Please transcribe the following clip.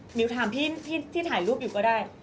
มิวถามพี่ที่ถ่ายรูปอยู่ก็ได้